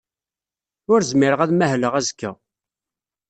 Ur zmireɣ ad mahleɣ azekka.